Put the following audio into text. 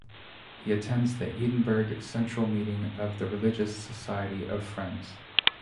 He attends the Edinburgh Central Meeting of the Religious Society of Friends.